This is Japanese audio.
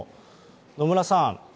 野村さん。